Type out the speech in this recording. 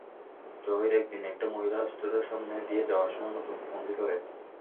জহির একদিন একটা মহিলা হোস্টেলের সামনে দিয়ে যাওয়ার সময় নতুন ফন্দি করে।